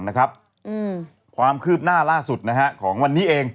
ความคืบหน้าล่าสุดของวันนี้เอง